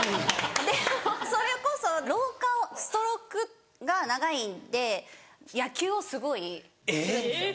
でもそれこそ廊下をストロークが長いんで野球をすごいするんですよ